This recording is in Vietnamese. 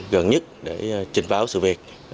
gần nhất để trình báo sự việc